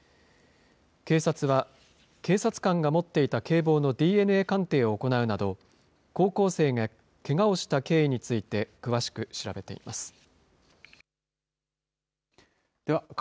警察は、警察官が持っていた警棒のＤＮＡ鑑定を行うなど、高校生がけがをした経緯について、詳しく調べています。